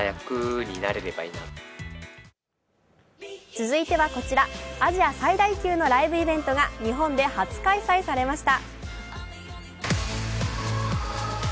続いてはこちら、アジア最大級のライブイベントが日本で初開催されました。